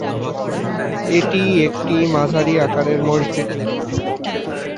এটি একটি মাঝারি আকারের মসজিদ।